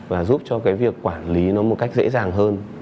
và giúp cho cái việc quản lý nó một cách dễ dàng hơn